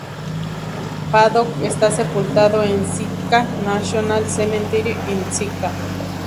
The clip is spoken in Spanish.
Paddock esta sepultado en Sitka National Cemetery in Sitka.